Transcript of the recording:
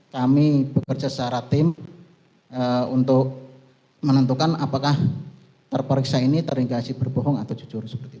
kami bekerja secara tim untuk menentukan apakah terperiksa ini terhingga berbohong atau jujur